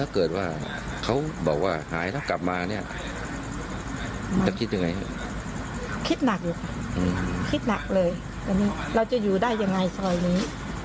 คิดหนักเลยว่าเราจะอยู่ได้อย่างไรซอยนี้